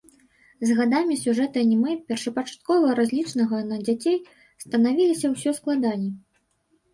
З гадамі сюжэты анімэ, першапачаткова разлічанага на дзяцей, станавіліся ўсё складаней.